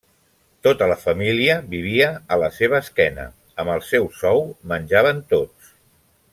Tota la família vivia a la seva esquena. Amb el seu sou menjaven tots.